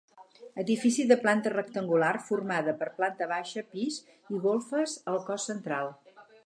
Edifici de planta rectangular formada per planta baixa, pis i golfes al cos central.